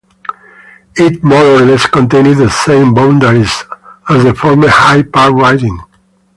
It more or less contained the same boundaries as the former High Park riding.